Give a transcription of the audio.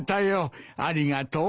ありがとう。